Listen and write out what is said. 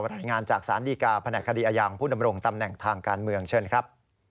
รายงานจากศาลดีกาแผนกคดีอายางผู้ดำรงตำแหน่งทางการเมืองเชิญครับ